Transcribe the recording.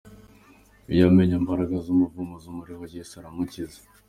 Iyo amenye imbaraga z’umuvumo zimuriho, Yesu aramukiza.